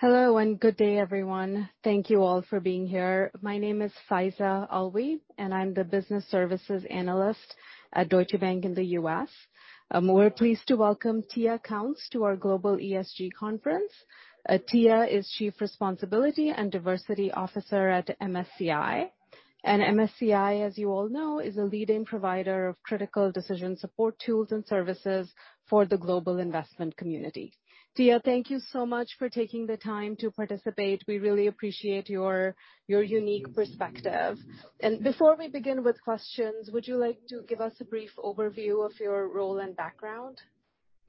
Hello, good day, everyone. Thank you all for being here. My name is Faiza Alwy, I'm the business services analyst at Deutsche Bank in the U.S. We're pleased to welcome Tia Counts to our Global ESG conference. Tia is Chief Responsibility and Diversity Officer at MSCI. MSCI, as you all know, is a leading provider of critical decision support tools and services for the global investment community. Tia, thank you so much for taking the time to participate. We really appreciate your unique perspective. Before we begin with questions, would you like to give us a brief overview of your role and background?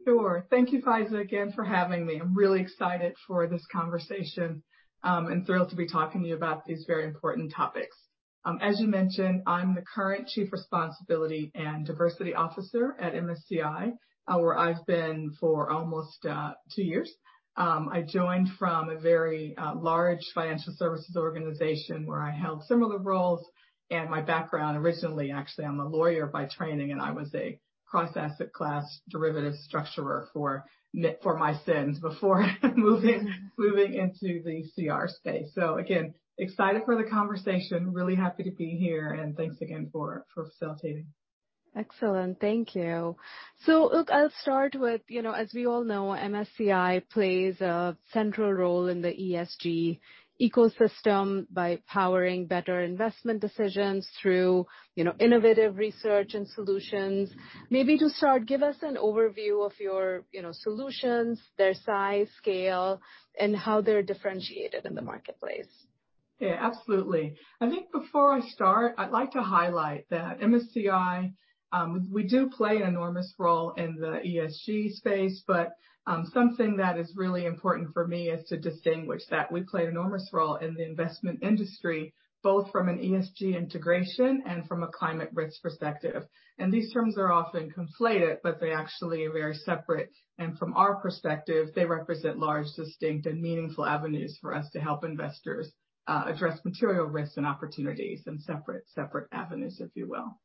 Sure. Thank you, Faiza, again for having me. I'm really excited for this conversation, and thrilled to be talking to you about these very important topics. As you mentioned, I'm the current Chief Responsibility and Diversity Officer at MSCI, where I've been for almost two years. I joined from a very large financial services organization where I held similar roles, and my background originally, actually, I'm a lawyer by training, and I was a cross asset class derivative structurer for my sins before moving into the CR space. Again, excited for the conversation. Really happy to be here, and thanks again for facilitating. Excellent. Thank you. Look, I'll start with, you know, as we all know, MSCI plays a central role in the ESG ecosystem by powering better investment decisions through, you know, innovative research and solutions. Maybe to start, give us an overview of your, you know, solutions, their size, scale, and how they're differentiated in the marketplace. Yeah, absolutely. I think before I start, I'd like to highlight that MSCI, we do play an enormous role in the ESG space, but something that is really important for me is to distinguish that we play an enormous role in the investment industry, both from an ESG integration and from a climate risk perspective. These terms are often conflated, but they actually are very separate. From our perspective, they represent large, distinct, and meaningful avenues for us to help investors, address material risks and opportunities in separate avenues, if you will.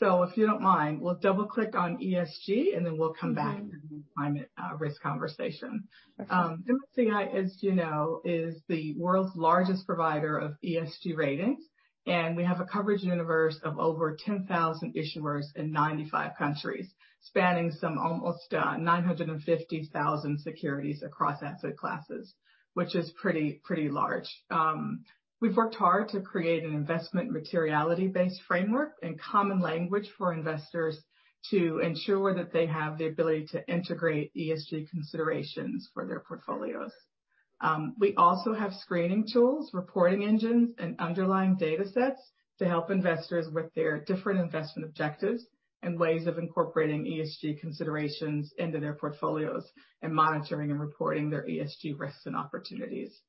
If you don't mind, we'll double-click on ESG, and then we'll come back. Mm-hmm. To the climate, risk conversation. Okay. MSCI, as you know, is the world's largest provider of ESG ratings. We have a coverage universe of over 10,000 issuers in 95 countries, spanning some almost 950,000 securities across asset classes, which is pretty large. We've worked hard to create an investment materiality-based framework and common language for investors to ensure that they have the ability to integrate ESG considerations for their portfolios. We also have screening tools, reporting engines, and underlying datasets to help investors with their different investment objectives and ways of incorporating ESG considerations into their portfolios and monitoring and reporting their ESG risks and opportunities.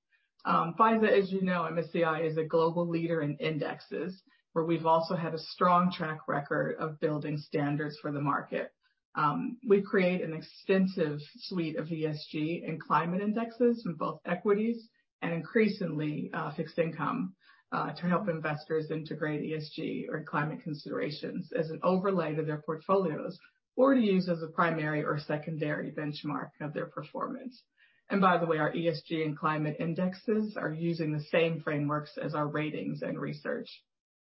Faiza, as you know, MSCI is a global leader in indexes, where we've also had a strong track record of building standards for the market. We create an extensive suite of ESG and climate indexes in both equities and increasingly, fixed income, to help investors integrate ESG or climate considerations as an overlay to their portfolios or to use as a primary or secondary benchmark of their performance. By the way, our ESG and climate indexes are using the same frameworks as our ratings and research.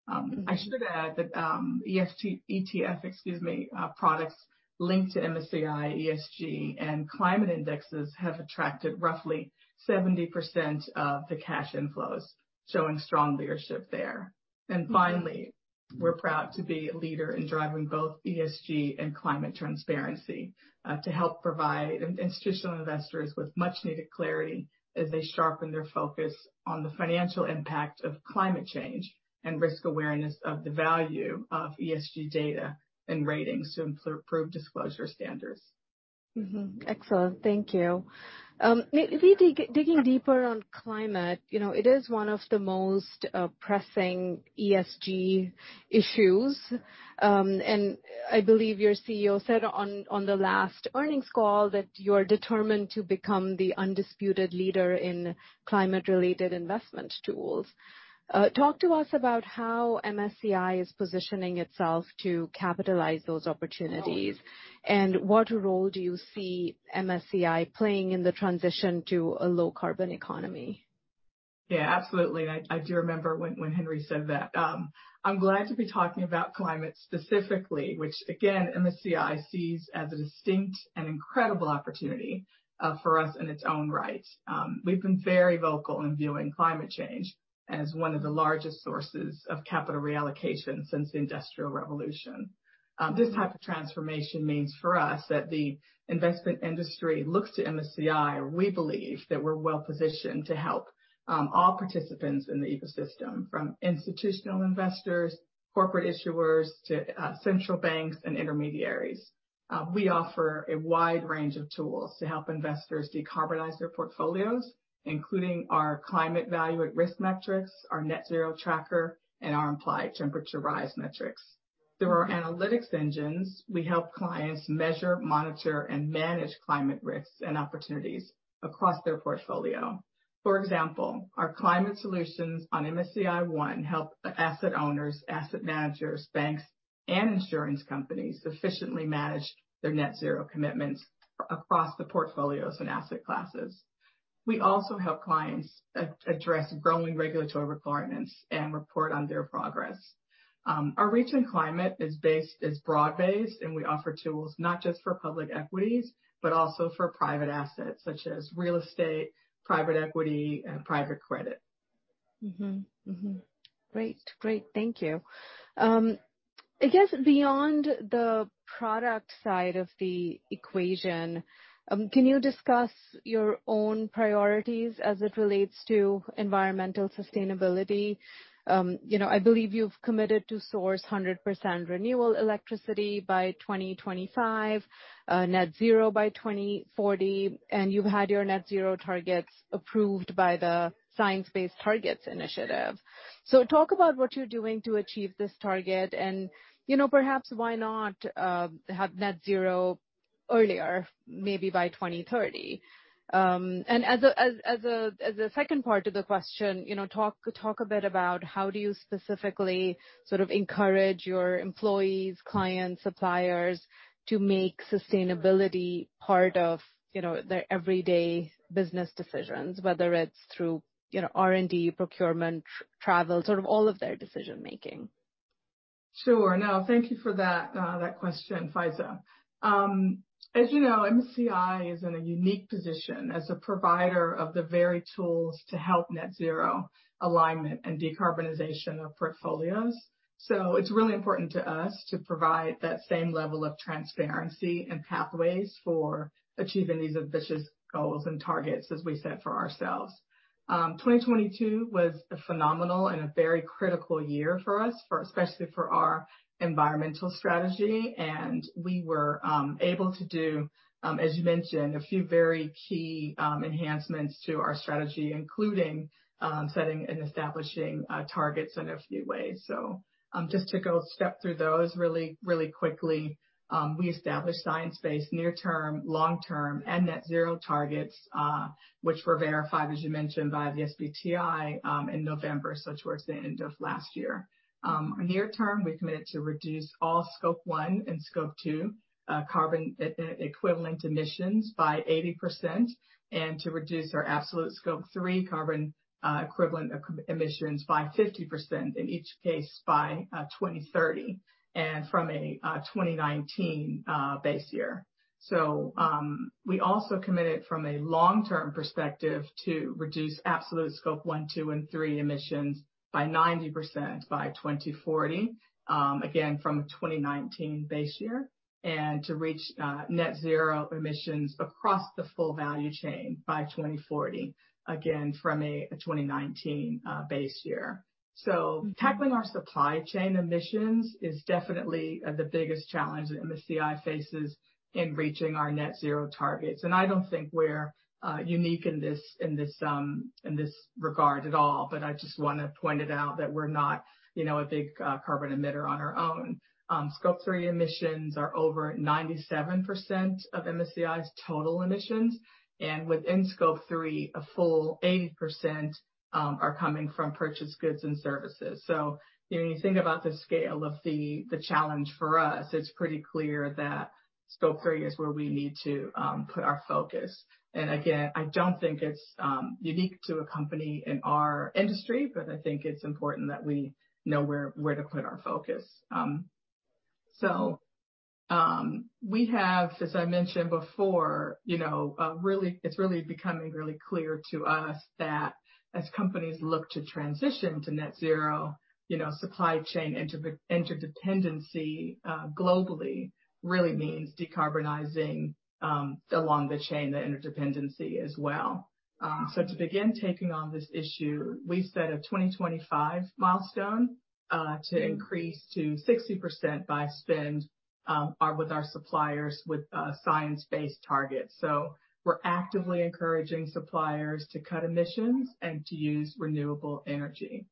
I should add that ETF products linked to MSCI, ESG, and climate indexes have attracted roughly 70% of the cash inflows, showing strong leadership there. Finally, we're proud to be a leader in driving both ESG and climate transparency, to help provide institutional investors with much-needed clarity as they sharpen their focus on the financial impact of climate change and risk awareness of the value of ESG data and ratings to improve disclosure standards. Excellent. Thank you. Digging deeper on climate, you know, it is one of the most pressing ESG issues. I believe your CEO said on the last earnings call that you're determined to become the undisputed leader in climate related investment tools. Talk to us about how MSCI is positioning itself to capitalize those opportunities. Mm-hmm. What role do you see MSCI playing in the transition to a low carbon economy? I do remember when Henry said that. I'm glad to be talking about climate specifically, which again, MSCI sees as a distinct and incredible opportunity for us in its own right. We've been very vocal in viewing climate change as one of the largest sources of capital reallocation since the Industrial Revolution. This type of transformation means for us that the investment industry looks to MSCI. We believe that we're well positioned to help all participants in the ecosystem from institutional investors, corporate issuers, to central banks and intermediaries. We offer a wide range of tools to help investors decarbonize their portfolios, including our Climate Value-at-Risk metrics, our Net Zero Tracker, and our Implied Temperature Rise metrics. Through our analytics engines, we help clients measure, monitor, and manage climate risks and opportunities across their portfolio. For example, our climate solutions on MSCI ONE help asset owners, asset managers, banks, and insurance companies efficiently manage their net zero commitments across the portfolios and asset classes. We also help clients address growing regulatory requirements and report on their progress. Our reach in climate is broad-based, and we offer tools not just for public equities, but also for private assets such as real estate, private equity and private credit. Great. Great. Thank you. I guess beyond the product side of the equation, can you discuss your own priorities as it relates to environmental sustainability? You know, I believe you've committed to source 100% renewable electricity by 2025, net zero by 2040, and you've had your net zero targets approved by the Science Based Targets initiative. Talk about what you're doing to achieve this target, and, you know, perhaps why not have net zero earlier, maybe by 2030. As a second part to the question, you know, talk a bit about how do you specifically sort of encourage your employees, clients, suppliers to make sustainability part of, you know, their everyday business decisions, whether it's through, you know, R&D, procurement, travel, sort of all of their decision-making. Sure. No, thank you for that question, Faiza. As you know, MSCI is in a unique position as a provider of the very tools to help net zero alignment and decarbonization of portfolios. It's really important to us to provide that same level of transparency and pathways for achieving these ambitious goals and targets as we set for ourselves. 2022 was a phenomenal and a very critical year for us, for especially for our environmental strategy, and we were able to do, as you mentioned, a few very key enhancements to our strategy, including setting and establishing targets in a few ways. Just to go step through those really, really quickly, we established science-based near term, long-term, and net zero targets, which were verified, as you mentioned, by the SBTi in November, towards the end of last year. Near term, we committed to reduce all Scope 1 and Scope 2 carbon equivalent emissions by 80% and to reduce our absolute Scope 3 carbon equivalent emissions by 50% in each case by 2030 and from a 2019 base year. We also committed from a long-term perspective to reduce absolute Scope 1, 2, and 3 emissions by 90% by 2040, again, from a 2019 base year, and to reach net zero emissions across the full value chain by 2040, again, from a 2019 base year. Tackling our supply chain emissions is definitely the biggest challenge that MSCI faces in reaching our net zero targets. I don't think we're unique in this regard at all, but I just wanna point it out that we're not, you know, a big carbon emitter on our own. Scope 3 emissions are over 97% of MSCI's total emissions, and within Scope 3, a full 80% are coming from purchased goods and services. When you think about the scale of the challenge for us, it's pretty clear that Scope 3 is where we need to put our focus. Again, I don't think it's unique to a company in our industry, but I think it's important that we know where to put our focus. We have, as I mentioned before, you know, it's really becoming clear to us that as companies look to transition to net zero, you know, supply chain interdependency globally really means decarbonizing along the chain, the interdependency as well. To begin taking on this issue, we set a 2025 milestone. Mm-hmm. To increase to 60% by spend with our suppliers with science-based targets. We're actively encouraging suppliers to cut emissions and to use renewable energy.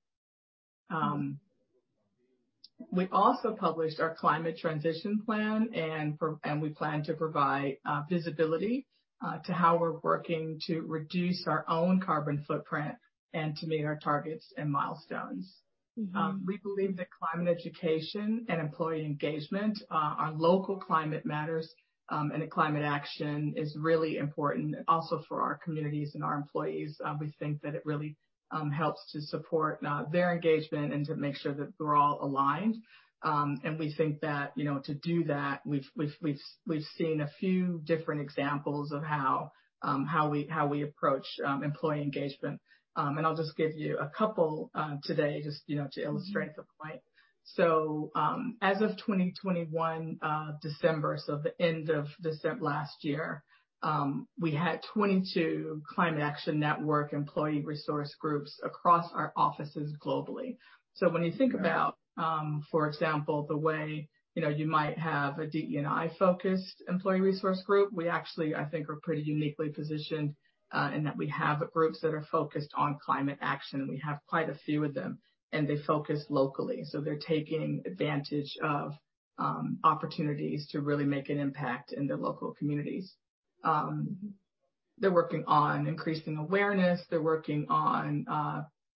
We also published our Climate Transition Plan and we plan to provide visibility to how we're working to reduce our own carbon footprint and to meet our targets and milestones. Mm-hmm. We believe that climate education and employee engagement on local climate matters and climate action is really important also for our communities and our employees. We think that it really helps to support their engagement and to make sure that we're all aligned. We think that, you know, to do that, we've seen a few different examples of how we, how we approach employee engagement. I'll just give you a couple today just, you know, to illustrate the point. As of 2021, December, so the end of last year, we had 22 Climate Action Network employee resource groups across our offices globally. When you think about, for example, the way, you know, you might have a DE&I-focused employee resource group, we actually, I think, are pretty uniquely positioned in that we have groups that are focused on climate action, and we have quite a few of them, and they focus locally. They're taking advantage of opportunities to really make an impact in their local communities. They're working on increasing awareness. They're working on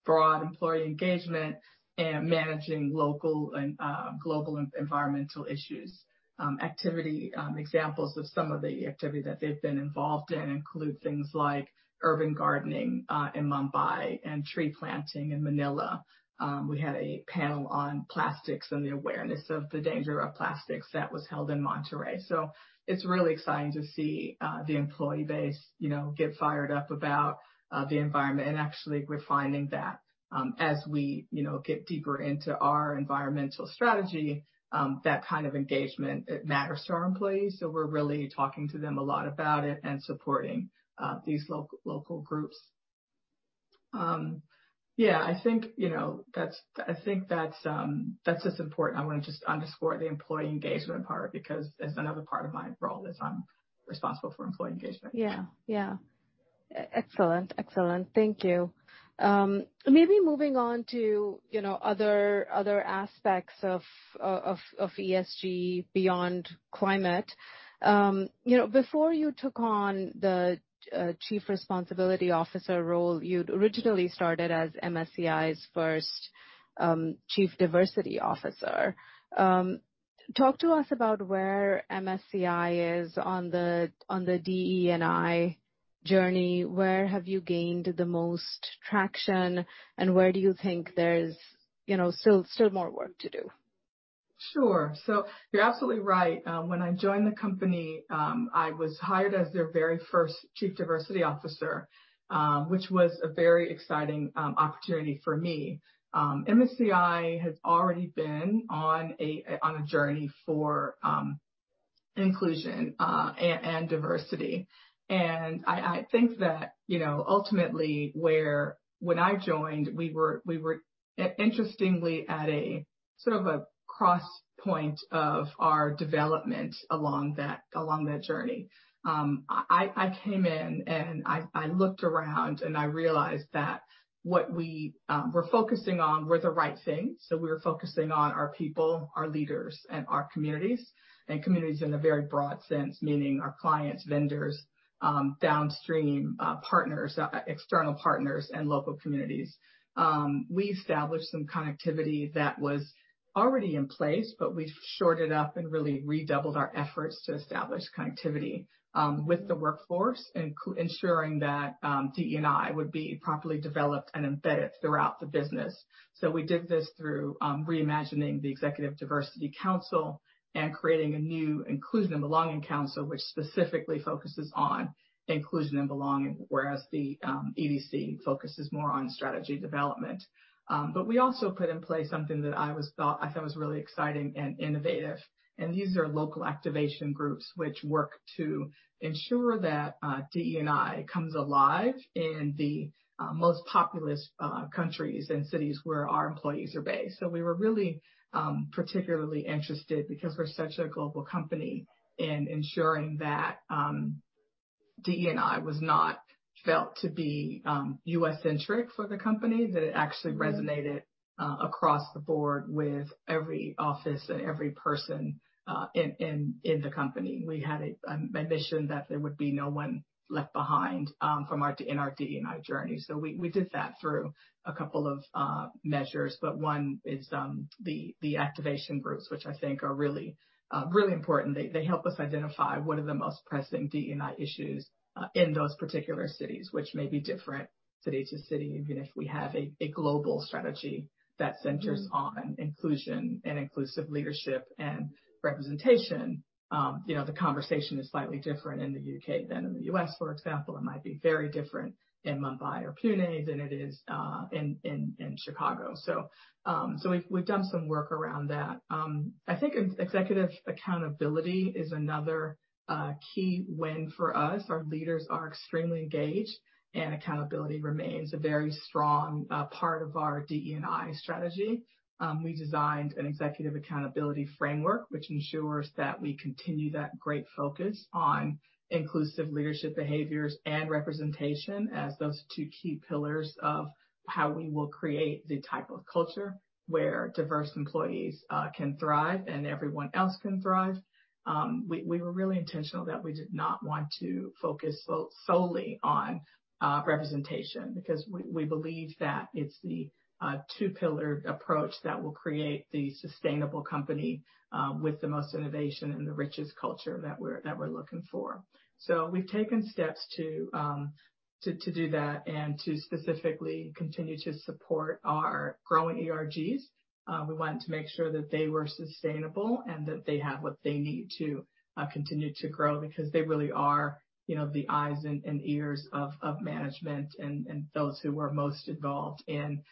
broad employee engagement and managing local and global environmental issues. Activity, examples of some of the activity that they've been involved in include things like urban gardening in Mumbai and tree planting in Manila. We had a panel on plastics and the awareness of the danger of plastics that was held in Monterrey. It's really exciting to see the employee base, you know, get fired up about the environment. Actually, we're finding that, as we, you know, get deeper into our environmental strategy, that kind of engagement, it matters to our employees. We're really talking to them a lot about it and supporting these local groups. Yeah, I think, you know, that's just important. I wanna just underscore the employee engagement part because as another part of my role is I'm responsible for employee engagement. Yeah. Yeah. Excellent. Thank you. Maybe moving on to, you know, other aspects of ESG beyond climate. You know, before you took on the Chief Responsibility Officer role, you'd originally started as MSCI's first Chief Diversity Officer. Talk to us about where MSCI is on the DE&I journey. Where have you gained the most traction, and where do you think there's, you know, still more work to do? Sure. You're absolutely right. When I joined the company, I was hired as their very first chief diversity officer, which was a very exciting opportunity for me. MSCI has already been on a journey for inclusion, and diversity. I think that, you know, ultimately where when I joined, we were interestingly at a sort of a cross point of our development along that journey. I came in and I looked around and I realized that what we were focusing on were the right things. We were focusing on our people, our leaders, and our communities, and communities in a very broad sense, meaning our clients, vendors, downstream, partners, external partners and local communities. We established some connectivity that was already in place, but we've shored it up and really redoubled our efforts to establish connectivity with the workforce, ensuring that DE&I would be properly developed and embedded throughout the business. We did this through reimagining the Executive Diversity Council and creating a new Inclusion and Belonging Council, which specifically focuses on inclusion and belonging, whereas the EDC focuses more on strategy development. We also put in place something that I thought was really exciting and innovative, and these are local activation groups which work to ensure that DE&I comes alive in the most populous countries and cities where our employees are based. We were really particularly interested because we're such a global company in ensuring that DE&I was not felt to be U.S.-centric for the company, that it actually resonated across the board with every office and every person in the company. We had a mission that there would be no one left behind in our DE&I journey. We did that through a couple of measures, but one is the activation groups, which I think are really important. They help us identify what are the most pressing DE&I issues in those particular cities, which may be different city to city, even if we have a global strategy that centers on inclusion and inclusive leadership and representation. You know, the conversation is slightly different in the U.K. than in the U.S. For example. It might be very different in Mumbai or Pune than it is in Chicago. We've done some work around that. I think ex-executive accountability is another key win for us. Our leaders are extremely engaged, and accountability remains a very strong part of our DE&I strategy. We designed an executive accountability framework which ensures that we continue that great focus on inclusive leadership behaviors and representation as those two key pillars of how we will create the type of culture where diverse employees can thrive and everyone else can thrive. We were really intentional that we did not want to focus solely on representation because we believe that it's the two-pillar approach that will create the sustainable company with the most innovation and the richest culture that we're looking for. We've taken steps to do that and to specifically continue to support our growing ERGs. We wanted to make sure that they were sustainable and that they have what they need to continue to grow because they really are, you know, the eyes and ears of management and those who are most involved in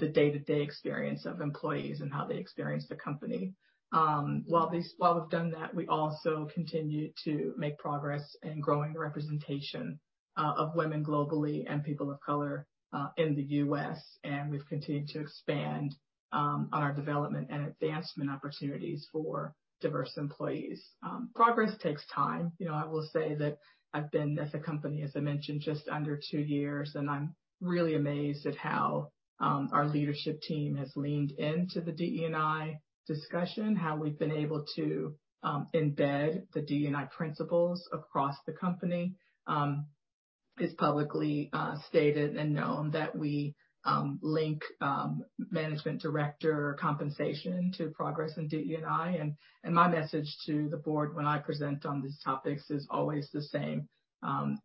the day-to-day experience of employees and how they experience the company. While we've done that, we also continue to make progress in growing the representation of women globally and people of color in the U.S., and we've continued to expand on our development and advancement opportunities for diverse employees. Progress takes time. You know, I will say that I've been at the company, as I mentioned, just under two years, and I'm really amazed at how our leadership team has leaned into the DE&I discussion, how we've been able to embed the DE&I principles across the company. It's publicly stated and known that we link management director compensation to progress in DE&I. My message to the Board when I present on these topics is always the same.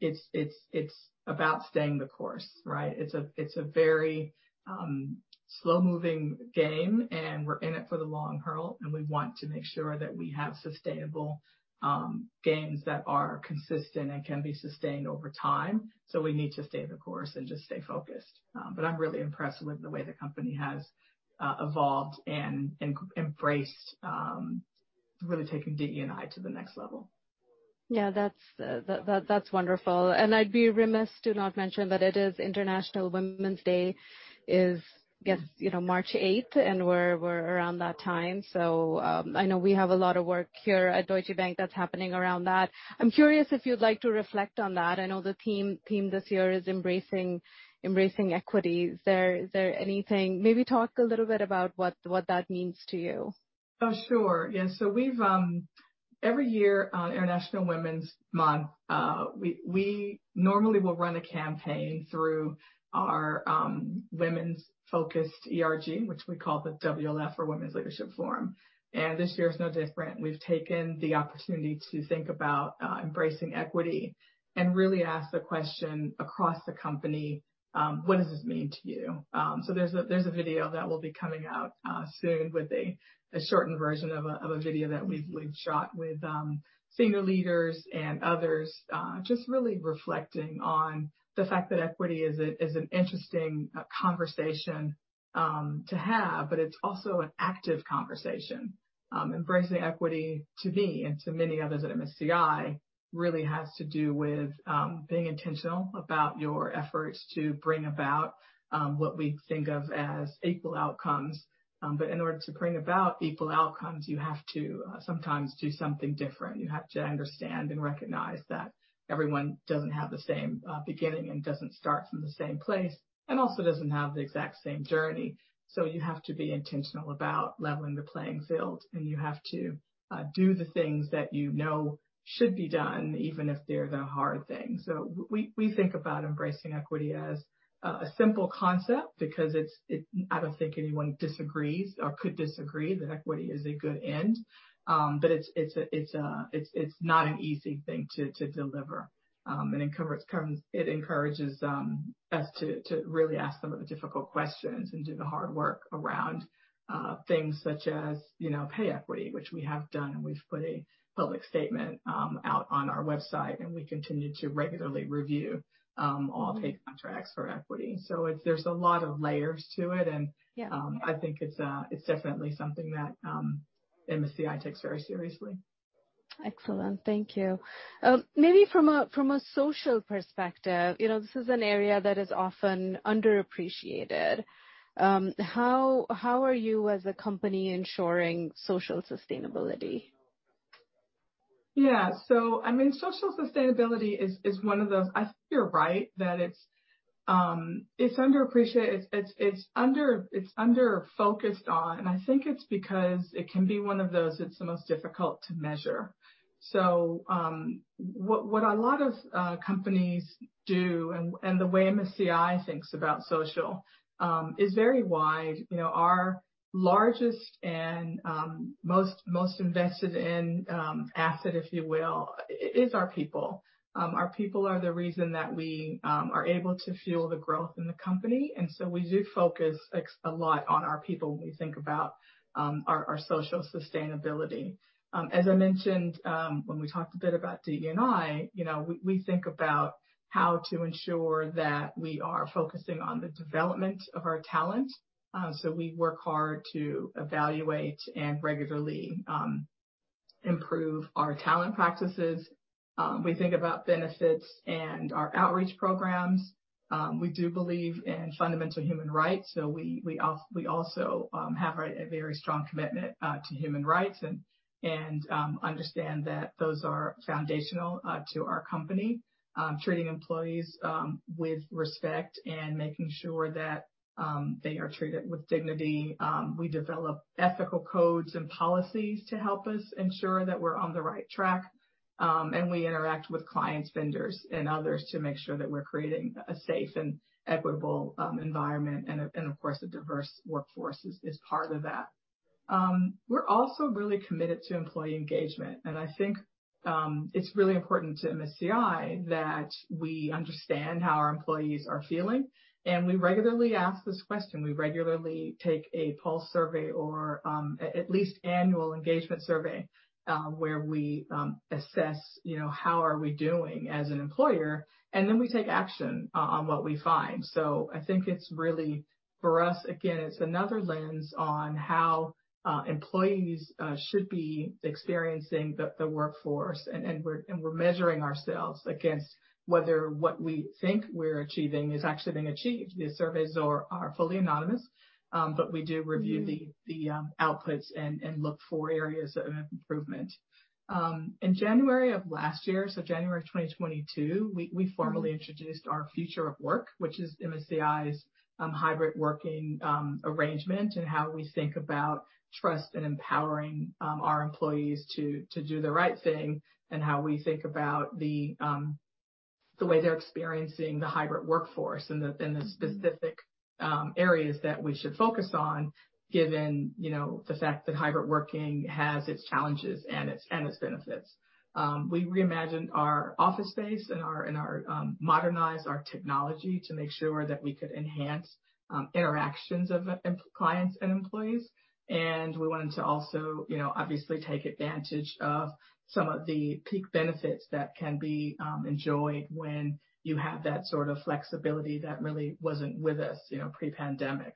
It's about staying the course, right? It's a very slow-moving game, and we're in it for the long haul, and we want to make sure that we have sustainable gains that are consistent and can be sustained over time. We need to stay the course and just stay focused. I'm really impressed with the way the company has evolved and embraced really taking DE&I to the next level. That's wonderful. I'd be remiss to not mention that it is International Women's Day is, I guess, you know, March eighth, and we're around that time. I know we have a lot of work here at Deutsche Bank that's happening around that. I'm curious if you'd like to reflect on that. I know the theme this year is embracing equity. Is there anything? Maybe talk a little bit about what that means to you. We've every year on International Women's Month, we normally will run a campaign through our women's focused ERG, which we call the WLF or Women's Leadership Forum. This year is no different. We've taken the opportunity to think about embracing equity and really ask the question across the company, what does this mean to you? There's a video that will be coming out soon with a shortened version of a video that we've shot with senior leaders and others, just really reflecting on the fact that equity is an interesting conversation to have, but it's also an active conversation. Embracing equity to me and to many others at MSCI really has to do with being intentional about your efforts to bring about what we think of as equal outcomes. In order to bring about equal outcomes, you have to sometimes do something different. You have to understand and recognize that everyone doesn't have the same beginning and doesn't start from the same place, and also doesn't have the exact same journey. You have to be intentional about leveling the playing field, and you have to do the things that you know should be done, even if they're the hard things. We think about embracing equity as a simple concept because it's I don't think anyone disagrees or could disagree that equity is a good end. It's not an easy thing to deliver. It encourages us to really ask some of the difficult questions and do the hard work around things such as, you know, pay equity, which we have done. We've put a public statement out on our website, and we continue to regularly review all pay contracts for equity. There's a lot of layers to it. Yeah. I think it's definitely something that MSCI takes very seriously. Excellent. Thank you. Maybe from a social perspective, you know, this is an area that is often underappreciated. How are you as a company ensuring social sustainability? I mean, social sustainability is one of those. I think you're right that it's underappreciated. It's under focused on, and I think it's because it can be one of those that's the most difficult to measure. What a lot of companies do and the way MSCI thinks about social is very wide. You know, our largest and most invested in asset, if you will, is our people. Our people are the reason that we are able to fuel the growth in the company. We do focus a lot on our people when we think about our social sustainability. As I mentioned, when we talked a bit about DE&I, you know, we think about how to ensure that we are focusing on the development of our talent. We work hard to evaluate and regularly improve our talent practices. We think about benefits and our outreach programs. We do believe in fundamental human rights, we also have a very strong commitment to human rights and understand that those are foundational to our company. Treating employees with respect and making sure that they are treated with dignity. We develop ethical codes and policies to help us ensure that we're on the right track. We interact with clients, vendors, and others to make sure that we're creating a safe and equitable environment. Of course, a diverse workforce is part of that. We're also really committed to employee engagement. I think it's really important to MSCI that we understand how our employees are feeling. We regularly ask this question. We regularly take a pulse survey or at least annual engagement survey, where we assess, you know, how are we doing as an employer, then we take action on what we find. I think it's really, for us, again, it's another lens on how employees should be experiencing the workforce. We're measuring ourselves against whether what we think we're achieving is actually being achieved. These surveys are fully anonymous, we do review. Mm-hmm. The outputs and look for areas of improvement. In January of last year, so January of 2022, we formally introduced our Future of Work, which is MSCI's hybrid working arrangement and how we think about trust and empowering our employees to do the right thing and how we think about the way they're experiencing the hybrid workforce and the specific areas that we should focus on given, you know, the fact that hybrid working has its challenges and its benefits. We reimagined our office space and modernized our technology to make sure that we could enhance interactions of clients and employees. We wanted to also, you know, obviously take advantage of some of the peak benefits that can be enjoyed when you have that sort of flexibility that really wasn't with us, you know, pre-pandemic.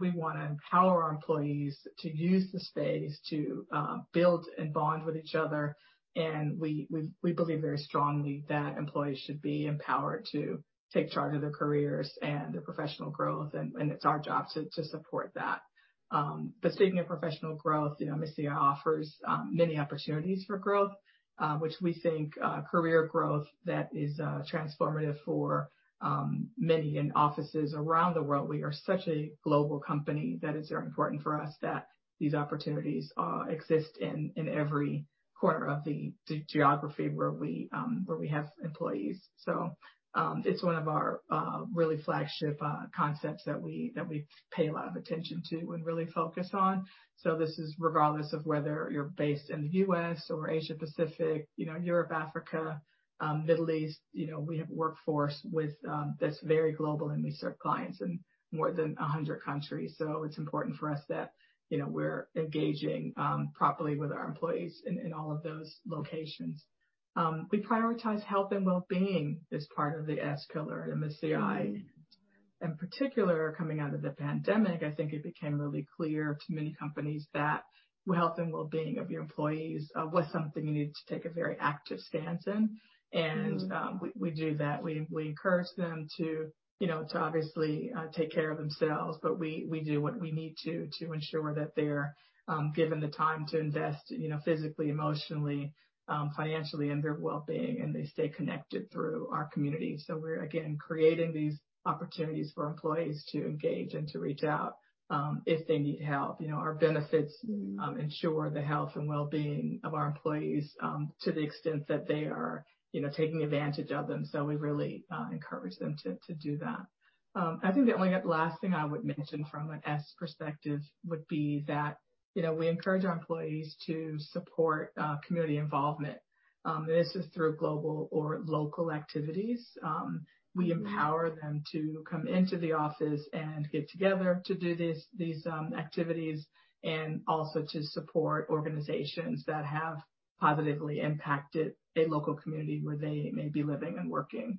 We wanna empower our employees to use the space to build and bond with each other. We believe very strongly that employees should be empowered to take charge of their careers and their professional growth. It's our job to support that. Speaking of professional growth, you know, MSCI offers many opportunities for growth, which we think career growth that is transformative for many in offices around the world. We are such a global company that it's very important for us that these opportunities exist in every corner of the geography where we have employees. It's one of our really flagship concepts that we pay a lot of attention to and really focus on. This is regardless of whether you're based in the U.S. or Asia-Pacific, you know, Europe, Africa, Middle East, you know, we have a workforce with that's very global, and we serve clients in more than 100 countries. It's important for us that, you know, we're engaging properly with our employees in all of those locations. We prioritize health and well-being as part of the S pillar at MSCI. In particular, coming out of the pandemic, I think it became really clear to many companies that the health and well-being of your employees was something you needed to take a very active stance in. We do that. We encourage them to, you know, to obviously take care of themselves, but we do what we need to to ensure that they're given the time to invest, you know, physically, emotionally, financially in their well-being, and they stay connected through our community. We're, again, creating these opportunities for employees to engage and to reach out if they need help. You know, our benefits ensure the health and well-being of our employees to the extent that they are, you know, taking advantage of them. We really encourage them to do that. I think the only last thing I would mention from an S perspective would be that, you know, we encourage our employees to support community involvement. This is through global or local activities. We empower them to come into the office and get together to do these activities and also to support organizations that have positively impacted a local community where they may be living and working.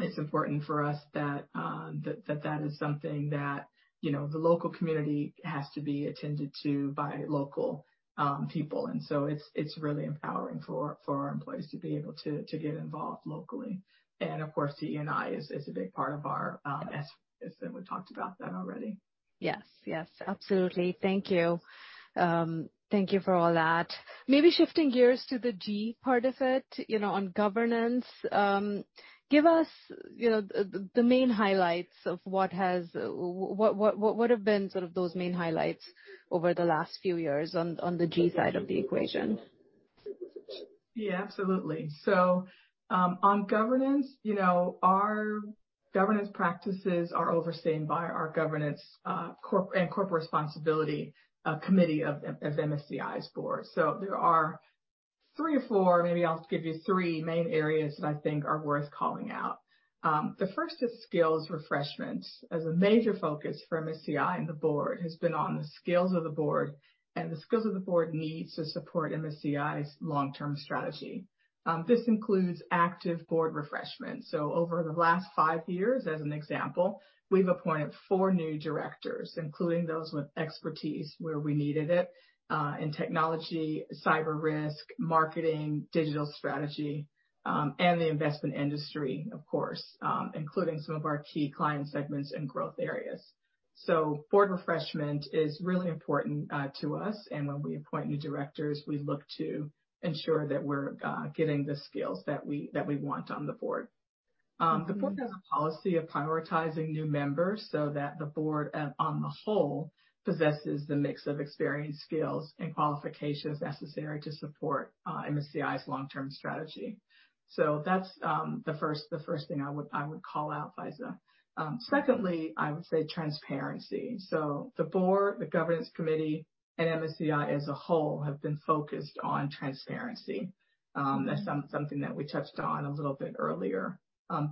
It's important for us that that is something that, you know, the local community has to be attended to by local people. It's really empowering for our employees to be able to get involved locally. Of course, DE&I is a big part of our S as we've talked about that already. Yes. Yes. Absolutely. Thank you. Thank you for all that. Maybe shifting gears to the G part of it, you know, on governance. Give us, you know, the main highlights of what have been sort of those main highlights over the last few years on the G side of the equation? Yeah, absolutely. On governance, you know, our governance practices are overseen by our Governance and Corporate Responsibility Committee of MSCI's Board. There are three or four, maybe I'll give you three main areas that I think are worth calling out. The first is skills refreshment. A major focus for MSCI and the Board has been on the skills of the Board and the skills that the Board needs to support MSCI's long-term strategy. This includes active Board refreshment. Over the last five years, as an example, we've appointed four new directors, including those with expertise where we needed it, in technology, cyber risk, marketing, digital strategy, and the investment industry, of course, including some of our key client segments and growth areas. Board refreshment is really important to us, and when we appoint new directors, we look to ensure that we're getting the skills that we want on the Board. The Board has a policy of prioritizing new members so that the Board, on the whole, possesses the mix of experience, skills, and qualifications necessary to support MSCI's long-term strategy. That's the first thing I would call out, Faiza. Secondly, I would say transparency. The Board, the Governance Committee, and MSCI as a whole have been focused on transparency. That's something that we touched on a little bit earlier.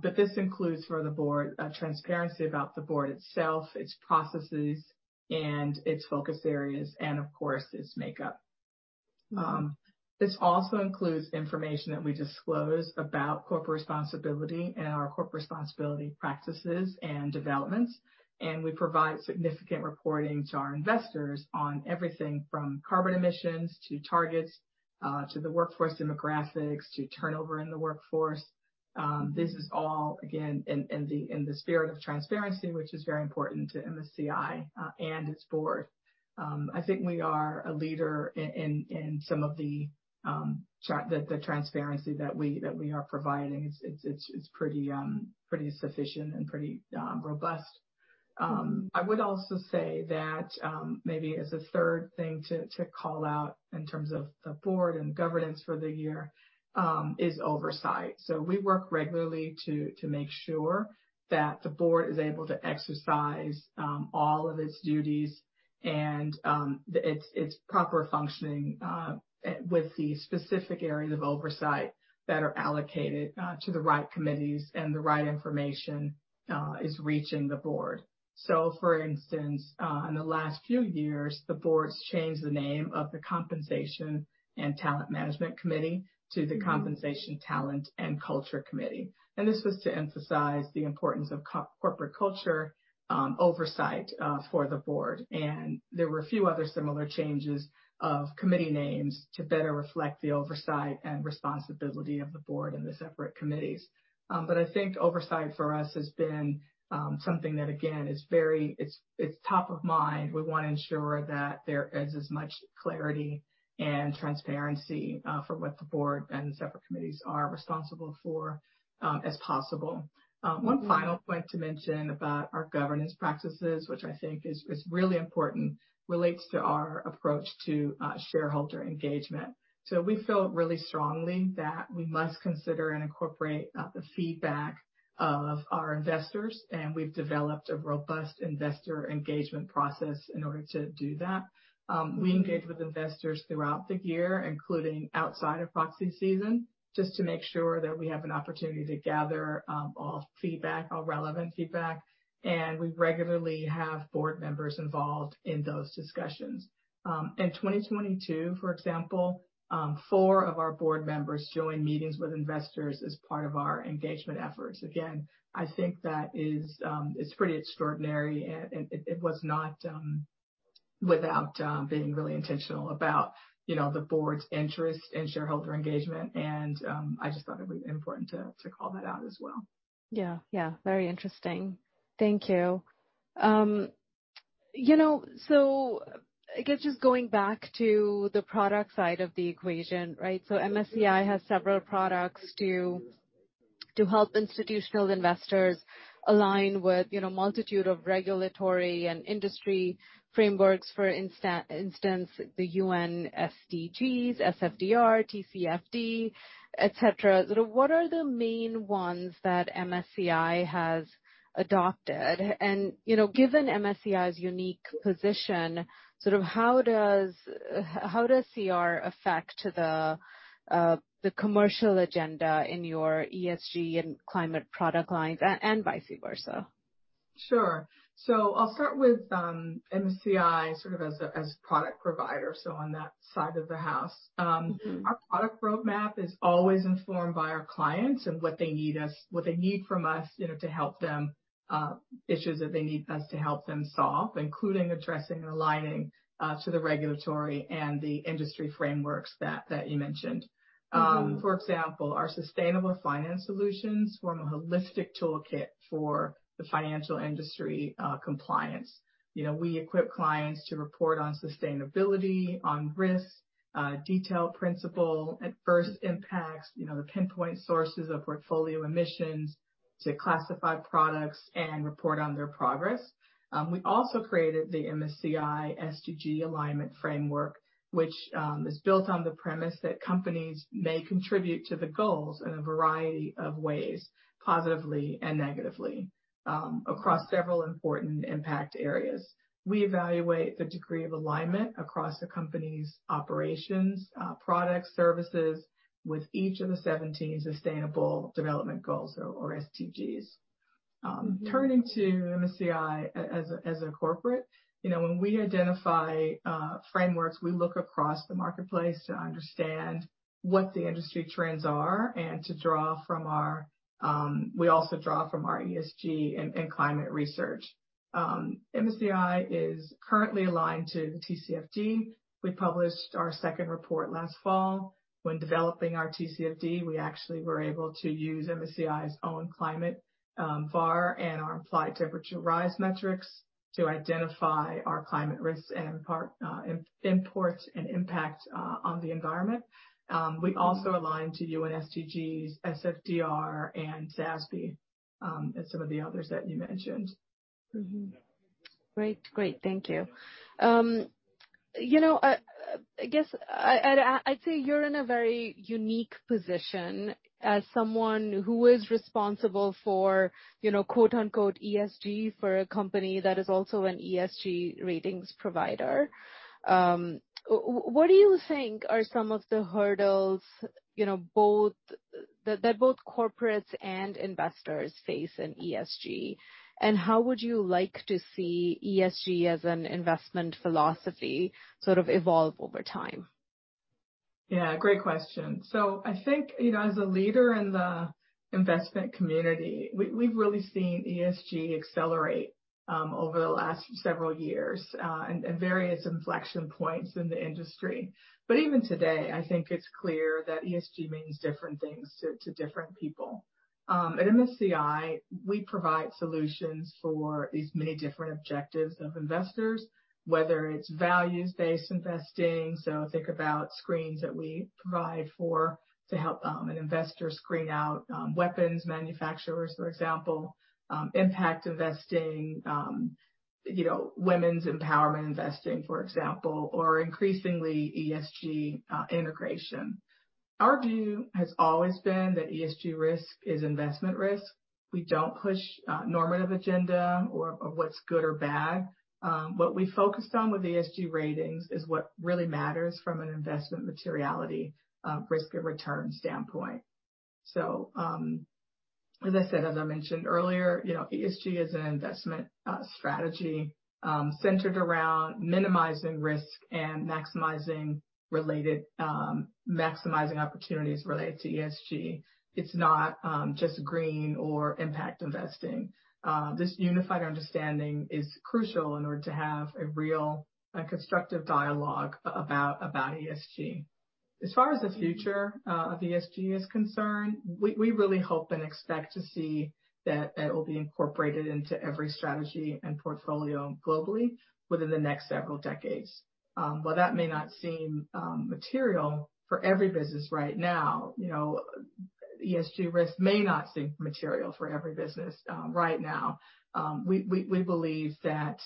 This includes for the Board, transparency about the Board itself, its processes and its focus areas and of course, its makeup. This also includes information that we disclose about corporate responsibility and our corporate responsibility practices and developments. We provide significant reporting to our investors on everything from carbon emissions to targets, to the workforce demographics, to turnover in the workforce. This is all again, in the spirit of transparency, which is very important to MSCI and its Board. I think we are a leader in some of the transparency that we are providing. It's pretty sufficient and pretty robust. I would also say that maybe as a third thing to call out in terms of the Board and governance for the year, is oversight. We work regularly to make sure that the Board is able to exercise all of its duties and its proper functioning with the specific areas of oversight that are allocated to the right committees and the right information is reaching the Board. For instance, in the last few years, the Board's changed the name of the Compensation and Talent Management Committee to the Compensation, Talent and Culture Committee. This was to emphasize the importance of corporate culture oversight for the Board. There were a few other similar changes of committee names to better reflect the oversight and responsibility of the Board and the separate committees. I think oversight for us has been something that again is very... it's top of mind. We wanna ensure that there is as much clarity and transparency for what the Board and the separate committees are responsible for as possible. One final point to mention about our governance practices, which I think is really important, relates to our approach to shareholder engagement. We feel really strongly that we must consider and incorporate the feedback of our investors, and we've developed a robust investor engagement process in order to do that. We engage with investors throughout the year, including outside of proxy season, just to make sure that we have an opportunity to gather all feedback, all relevant feedback. We regularly have board members involved in those discussions. In 2022, for example, four of our Board members joined meetings with investors as part of our engagement efforts. Again, I think that is, it's pretty extraordinary and it was not, without, being really intentional about, you know, the Board's interest in shareholder engagement and, I just thought it would be important to call that out as well. Yeah. Yeah, very interesting. Thank you. You know, I guess just going back to the product side of the equation, right? MSCI has several products to help institutional investors align with, you know, multitude of regulatory and industry frameworks. For instance, the UN SDGs, SFDR, TCFD, et cetera. Sort of what are the main ones that MSCI has adopted? You know, given MSCI's unique position, sort of how does CR affect the commercial agenda in your ESG and climate product lines and vice versa? Sure. I'll start with MSCI sort of as a product provider, on that side of the house. Mm-hmm. Our product roadmap is always informed by our clients and what they need from us, you know, to help them, issues that they need us to help them solve, including addressing and aligning to the regulatory and the industry frameworks that you mentioned. Mm-hmm. For example, our sustainable finance solutions form a holistic toolkit for the financial industry compliance. You know, we equip clients to report on sustainability, on risks, detailed Principal Adverse Impacts, you know, pinpoint sources of portfolio emissions to classify products and report on their progress. We also created the MSCI SDG Alignment Framework, which is built on the premise that companies may contribute to the goals in a variety of ways, positively and negatively, across several important impact areas. We evaluate the degree of alignment across a company's operations, products, services with each of the 17 Sustainable Development Goals or SDGs. Mm-hmm. Turning to MSCI as a corporate. You know, when we identify frameworks, we look across the marketplace to understand what the industry trends are and to draw from our, we also draw from our ESG and climate research. MSCI is currently aligned to TCFD. We published our second report last fall. When developing our TCFD, we actually were able to use MSCI's own Climate VaR and our Implied Temperature Rise metrics to identify our climate risks and impact on the environment. We also align to UN SDGs, SFDR and SASB, and some of the others that you mentioned. Great. Great. Thank you. you know, I guess I'd say you're in a very unique position as someone who is responsible for, you know, quote-unquote, ESG for a company that is also an ESG ratings provider. What do you think are some of the hurdles, you know, that both corporates and investors face in ESG? How would you like to see ESG as an investment philosophy sort of evolve over time? Great question. I think, you know, as a leader in the investment community, we've really seen ESG accelerate over the last several years, and various inflection points in the industry. Even today, I think it's clear that ESG means different things to different people. At MSCI, we provide solutions for these many different objectives of investors, whether it's values-based investing, so think about screens that we provide for to help an investor screen out weapons manufacturers, for example. Impact investing. You know, women's empowerment investing, for example. Or increasingly, ESG integration. Our view has always been that ESG risk is investment risk. We don't push normative agenda or what's good or bad. What we focused on with ESG ratings is what really matters from an investment materiality, risk and return standpoint. As I said, as I mentioned earlier, you know, ESG is an investment strategy centered around minimizing risk and maximizing related opportunities related to ESG. It's not just green or impact investing. This unified understanding is crucial in order to have a real, a constructive dialogue about ESG. As far as the future of ESG is concerned, we really hope and expect to see that it will be incorporated into every strategy and portfolio globally within the next several decades. While that may not seem material for every business right now, you know, ESG risk may not seem material for every business right now, we believe that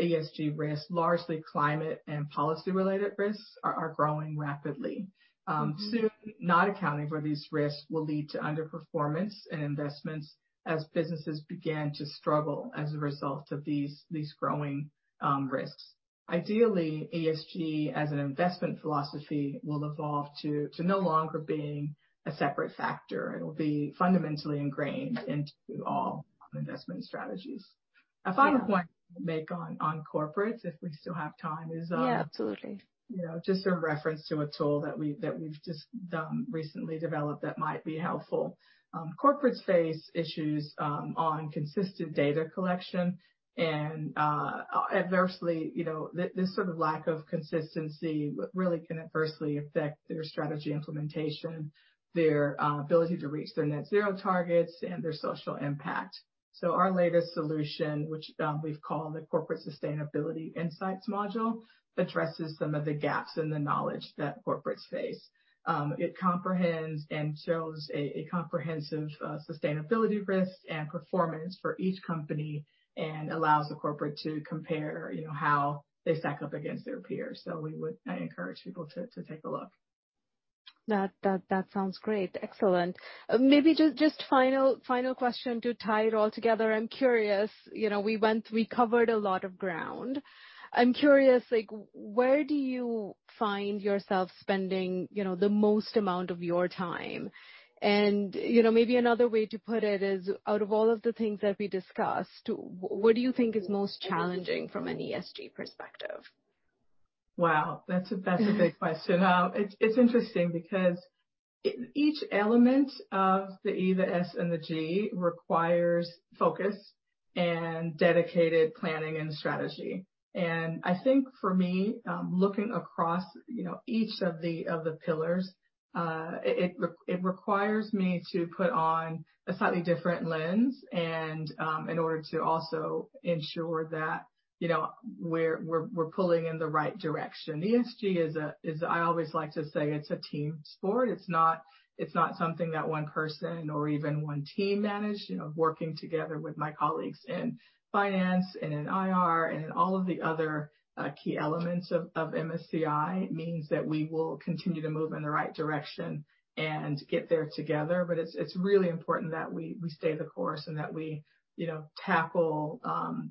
ESG risk, largely climate and policy-related risks are growing rapidly. Soon not accounting for these risks will lead to underperformance in investments as businesses begin to struggle as a result of these growing risks. Ideally, ESG as an investment philosophy will evolve to no longer being a separate factor. It'll be fundamentally ingrained into all investment strategies. Yeah. A final point to make on corporates if we still have time is. Yeah, absolutely. You know, just a reference to a tool that we've just recently developed that might be helpful. Corporates face issues on consistent data collection and adversely, you know, this sort of lack of consistency really can adversely affect their strategy implementation, their ability to reach their net zero targets and their social impact. Our latest solution, which we've called the MSCI Corporate Sustainability Insights, addresses some of the gaps in the knowledge that corporates face. It comprehends and shows a comprehensive sustainability risk and performance for each company and allows the corporate to compare, you know, how they stack up against their peers. We would encourage people to take a look. That sounds great. Excellent. Maybe just final question to tie it all together. I'm curious, you know, we covered a lot of ground. I'm curious, like, where do you find yourself spending, you know, the most amount of your time? You know, maybe another way to put it is, out of all of the things that we discussed, what do you think is most challenging from an ESG perspective? Wow, that's a big question. It's interesting because each element of the E, the S, and the G requires focus and dedicated planning and strategy. I think for me, looking across, you know, each of the pillars, it requires me to put on a slightly different lens and in order to also ensure that, you know, we're pulling in the right direction. ESG. I always like to say it's a team sport. It's not something that one person or even one team manage. You know, working together with my colleagues in finance and in IR, and in all of the other key elements of MSCI means that we will continue to move in the right direction and get there together. It's really important that we stay the course and that we, you know, tackle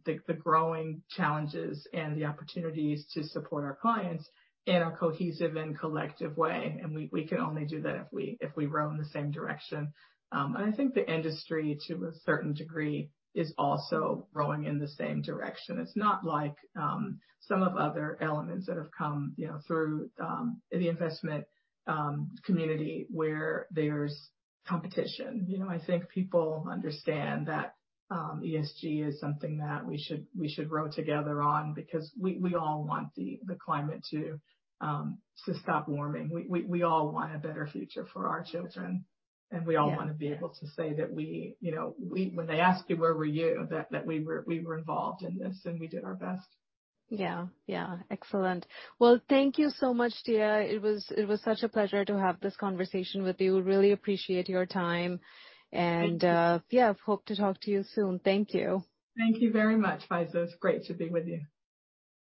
the growing challenges and the opportunities to support our clients in a cohesive and collective way. We can only do that if we row in the same direction. I think the industry to a certain degree, is also rowing in the same direction. It's not like some of other elements that have come, you know, through the investment community where there's competition. You know, I think people understand that ESG is something that we should row together on because we all want the climate to stop warming. We all want a better future for our children, and we all. Yeah. Want to be able to say that we, you know, when they ask you, where were you? That we were involved in this, and we did our best. Yeah. Yeah. Excellent. Well, thank you so much, Tia. It was such a pleasure to have this conversation with you. Really appreciate your time. Thank you. Yeah, hope to talk to you soon. Thank you. Thank you very much, Faiza. It's great to be with you.